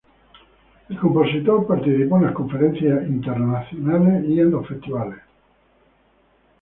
El compositor participó en las conferencias internacionales y los festivales.